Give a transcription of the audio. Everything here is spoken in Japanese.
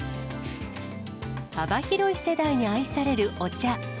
幅広い世代に愛されるお茶。